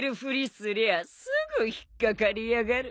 すりゃすぐ引っ掛かりやがる。